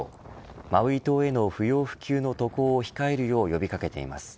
マウイ島への不要不急の渡航を控えるよう呼び掛けています。